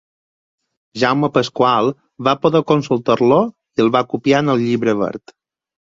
Jaume Pasqual va poder consultar-lo i el va copiar en el Llibre Verd.